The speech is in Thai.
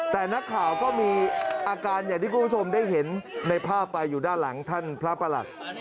แต่นักข่าวก็มีอาการอย่างที่คุณผู้ชมได้เห็นในภาพไปอยู่ด้านหลังท่านพระประหลัด